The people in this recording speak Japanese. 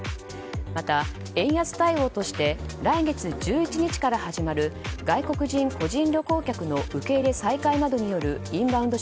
また円安対応として来月１１日から始まる外国人個人旅行客の受け入れ再開などによるインバウンド